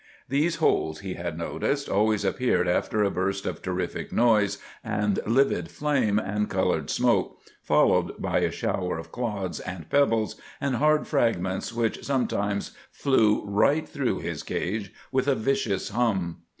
These holes, he had noticed, always appeared after a burst of terrific noise, and livid flame, and coloured smoke, followed by a shower of clods and pebbles, and hard fragments which sometimes flew right through his cage with a vicious hum.